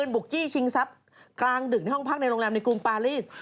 บุกจี้ชิงทรัพย์กลางดึกในห้องพักในโรงแรมในกรุงปารีส